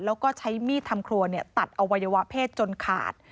แล้วก็ใช้มีดทำครัวตัดอวัยวะเพศจนขาด